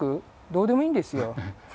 どうでもいいんですよ。